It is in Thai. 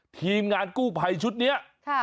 ทีมงานกู้ภัยชุดนี้